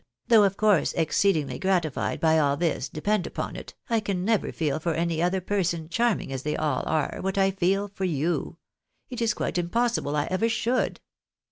though of course exceedingly gratified by all this, depend upon it, I can never feel for any other person, charming as they all are, what I feel for you ! It is quite impos sible I ever should